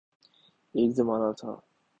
ایک زمانہ تھا